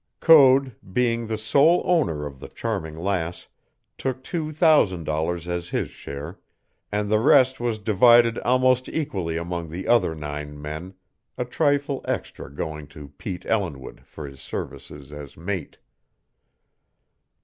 Code, being the sole owner of the Charming Lass, took two thousand dollars as his share, and the rest was divided almost equally among the other nine men, a trifle extra going to Pete Ellinwood for his services as mate.